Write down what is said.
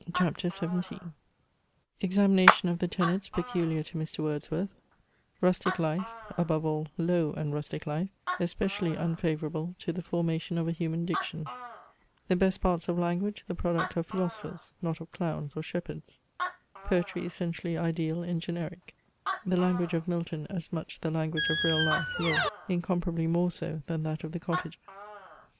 CHAPTER XVII Examination of the tenets peculiar to Mr. Wordsworth Rustic life (above all, low and rustic life) especially unfavourable to the formation of a human diction The best parts of language the product of philosophers, not of clowns or shepherds Poetry essentially ideal and generic The language of Milton as much the language of real life, yea, incomparably more so than that of the cottager.